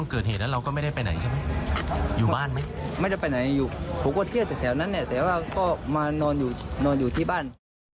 ก็มานอนอยู่ที่บ้าน